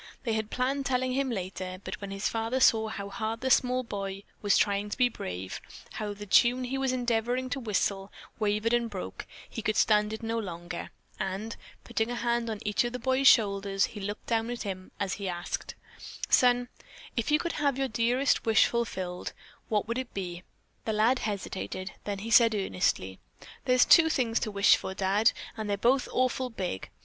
They had planned telling him later, but when his father saw how hard the small boy was trying to be brave; how the tune he was endeavoring to whistle wavered and broke, he could stand it no longer, and, putting a hand on each of the boy's shoulders, he looked down at him as he asked: "Son, if you could have your dearest wish fulfilled, what would it be?" The lad hesitated, then he said earnestly: "There's two things to wish for, Dad, and they're both awful big.